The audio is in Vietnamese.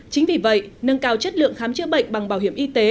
chính vì vậy nâng cao chất lượng khám chữa bệnh bằng bảo hiểm y tế